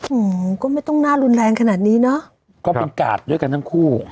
อืมก็ไม่ต้องน่ารุนแรงขนาดนี้เนอะก็เป็นกาดด้วยกันทั้งคู่